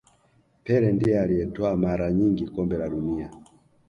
pele ndiye aliyetwaa mara nyingi kombe la dunia